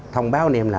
thông báo anh em là